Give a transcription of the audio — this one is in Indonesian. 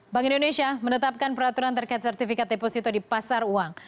bank indonesia menetapkan peraturan terkait sertifikat deposito di pasar uang